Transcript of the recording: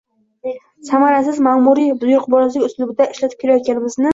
samarasiz, ma’muriy-buyruqbozlik uslubida ishlatib kelayotganimizni